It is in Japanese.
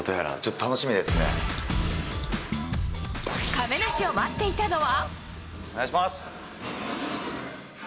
亀梨を待っていたのは。